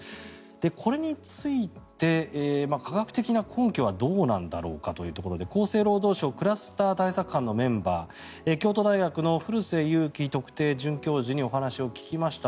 これについて、科学的な根拠はどうなんだろうかというところで厚生労働省クラスター対策班のメンバー京都大学の古瀬祐気特定准教授にお話を聞きました